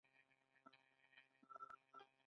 خیانت پکې ولې حرام دی؟